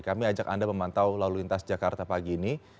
kami ajak anda memantau lalu lintas jakarta pagi ini